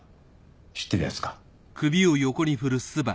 知ってるやつか？